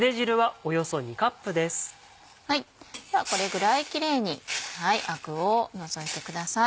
ではこれぐらいキレイにアクを除いてください。